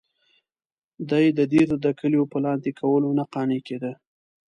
دی د دیر د کلیو په لاندې کولو نه قانع کېده.